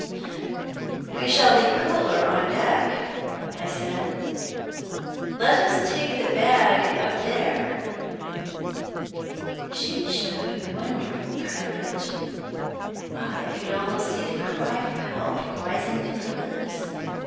"We shall be cooler on deck," I said. "Let us take the bag up there." She showed wonderful courage. I could almost see the cry for help rising to her lips.